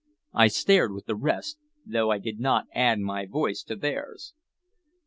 I stared with the rest, though I did not add my voice to theirs.